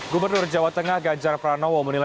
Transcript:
gubernur jawa tengah ganjar pranowo menilai